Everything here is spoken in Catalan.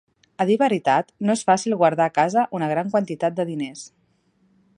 A dir veritat, no es fàcil guardar a casa una gran quantitat de diners.